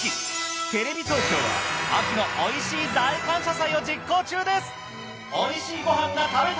テレビ東京は秋のおいしい大感謝祭を実行中です。